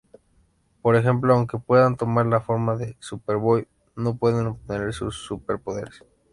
Por ejemplo, aunque puedan tomar la forma de Superboy, no pueden obtener sus super-poderes.